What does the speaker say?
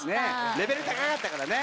レベル高かったからね。